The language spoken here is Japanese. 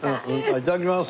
いただきまーす！